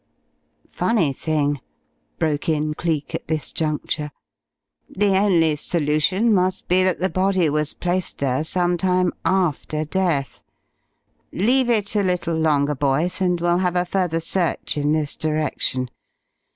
"Funny thing!" broke in Cleek at this juncture. "The only solution must be that the body was placed there some time after death.... Leave it a little longer, boys, and we'll have a further search in this direction.